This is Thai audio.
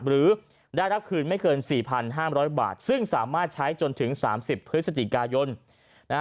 หรือได้รับคืนไม่เกิน๔๕๐๐บาทซึ่งสามารถใช้จนถึง๓๐พฤศจิกายนนะฮะ